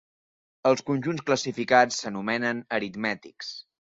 Els conjunts classificats s'anomenen aritmètics.